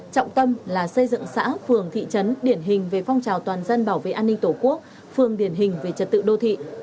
trọng tâm là xây dựng xã phường thị trấn điển hình về phong trào toàn dân bảo vệ an ninh tổ quốc phường điển hình về trật tự đô thị